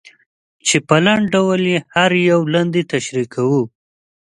چې په لنډ ډول یې هر یو لاندې تشریح کوو.